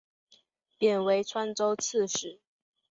贬为川州刺史。